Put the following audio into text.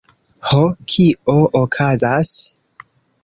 Ho, kio okazas?